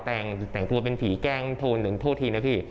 แต่งแต่งตัวเป็นผีแกล้งโทษหนึ่งโทษทีนะพี่